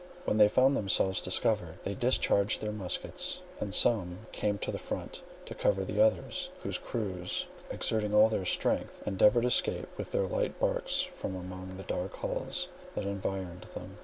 When they found themselves discovered they discharged their muskets, and some came to the front to cover the others, whose crews, exerting all their strength, endeavoured to escape with their light barks from among the dark hulls that environed them.